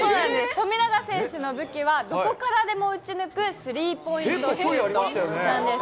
富永選手の武器は、どこからでも打ち抜くスリーポイントシュートなんです。